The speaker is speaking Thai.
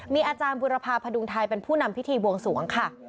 มีอาจารย์บุรพาพดุงไทยเป็นผู้นำพิธีบวงสวงค่ะ